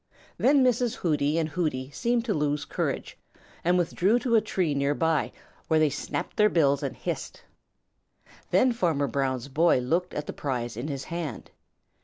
Then Mrs. Hooty and Hooty seemed to lose courage and withdrew to a tree near by, where they snapped their bills and hissed. Then Farmer Brown's boy looked at the prize in his hand.